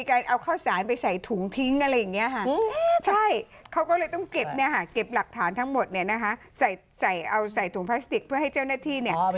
กินอาหารด้วยกันมีการเอาข้าวสายไปใส่ถุงทิ้ง